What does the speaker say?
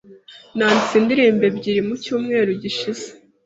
Nanditse indirimbo ebyiri mucyumweru gishize.